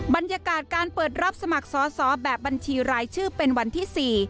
บรรยากาศการเปิดรับสมัครสอสอแบบบัญชีรายชื่อเป็นวันที่๔